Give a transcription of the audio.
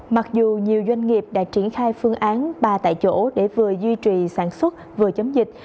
mặc dù nhiều doanh nghiệp đã triển khai phương án ba tại chỗ để vừa duy trì sản xuất vừa chống dịch